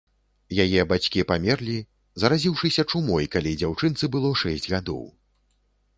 Яе бацькі памерлі, заразіўшыся чумой, калі дзяўчынцы было шэсць гадоў.